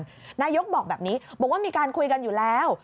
นายกบอกแบบนี้บอกว่ามีการคุยกันอยู่แล้ว